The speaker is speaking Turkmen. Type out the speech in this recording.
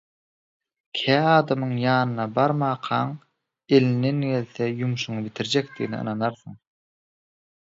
Kä adamyň ýanyna barmaňkaň, elinden gelse, ýumuşyňy bitirjekdigine ynanarsyň.